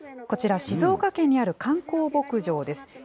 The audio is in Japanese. こちら、静岡県にある観光牧場です。